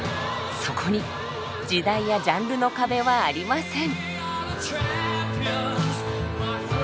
そこに時代やジャンルの壁はありません。